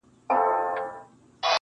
ګورستان ته مي ماشوم خپلوان لېږلي-